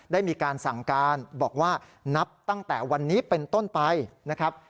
ได้มีการสั่งการบอกว่านับตั้งแต่วันนี้เป็นต้นไปนะครับ